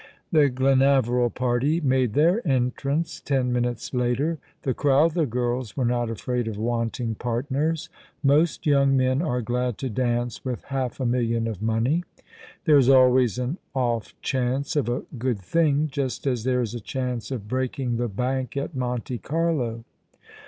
The Glenaveril party made their entrance ten minutes later. The Crowther girls were not afraid of wanting partners. Most young men are glad to dance with half a million of money. There is always an off chance of a good thing, just as there is a chance of breaking the bank at Monte Carlo.